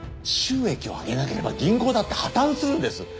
収益を上げなければ銀行だって破綻するんです。